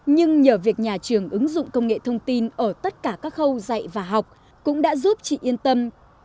nhưng nhờ việc nhà trường ứng dụng công nghệ thông tin ở tất cả các khâu dạy và học cũng đã giúp chị yên tâm